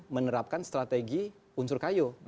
menerapkan strategi unsur kayu